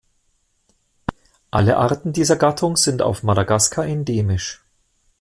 Alle Arten dieser Gattung sind auf Madagaskar endemisch.